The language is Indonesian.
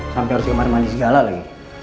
sampai harus dimar mandi segala lagi